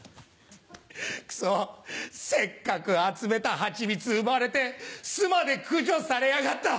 クソせっかく集めた蜂蜜奪われて巣まで駆除されやがった。